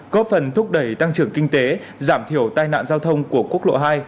góp phần thúc đẩy tăng trưởng kinh tế giảm thiểu tai nạn giao thông của quốc lộ hai